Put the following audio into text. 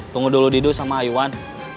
tunggu dulu didu sama iwan